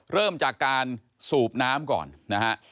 เริ่มจากการสูบน้ำก่อนนะฮะ